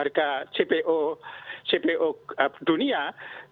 tinggal dia bisa membuktikan nggak cpo nya itu dari imajinasi